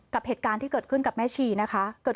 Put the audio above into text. กับเหตุการณ์ที่เกิดขึ้นกับแม่ชีนะคะ